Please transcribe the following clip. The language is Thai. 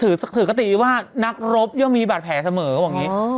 ถือถือกติว่านักรบยกมีบัตรแผลเสมอเขาบอกอย่างงี้อ๋อ